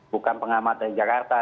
bukan pengamat dari jakarta